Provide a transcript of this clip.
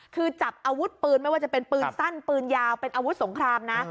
คือจับอาวุธปืนไม่ว่าจะเป็นปืนสั้นปืนยาวเป็นอาวุธสงครามนะ